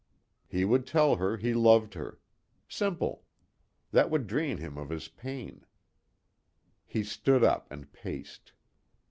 He would tell her he loved her. Simple. That would drain him of his pain. He stood up and paced.